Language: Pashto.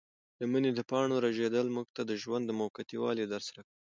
د مني د پاڼو رژېدل موږ ته د ژوند د موقتي والي درس راکوي.